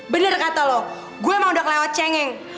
bener kata lo gue emang udah kelewat cengeng